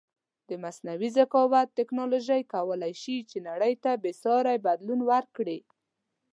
د مصنوعې زکاوت ټکنالوژی کولی شې چې نړی ته بیساری بدلون ورکړې